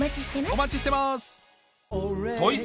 お待ちしてます！